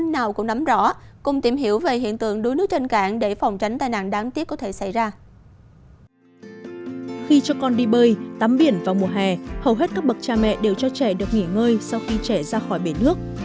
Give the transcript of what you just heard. trong mùa hè hầu hết các bậc cha mẹ đều cho trẻ được nghỉ ngơi sau khi trẻ ra khỏi bể nước